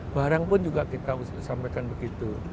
barang pun juga kita sampaikan begitu